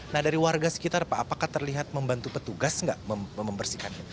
nah dari warga sekitar pak apakah terlihat membantu petugas nggak membersihkannya